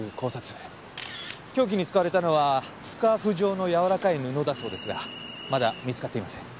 凶器に使われたのはスカーフ状のやわらかい布だそうですがまだ見つかっていません。